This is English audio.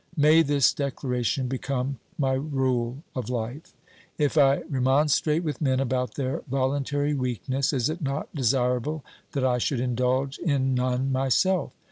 May this declaration become my rule of life ! If I remon strate with men about their voluntary weakness, is it not desirable that I should indulge in none myself?